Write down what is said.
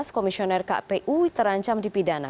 komisioner kpu terancam dipidana